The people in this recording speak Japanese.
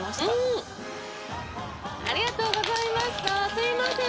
すいません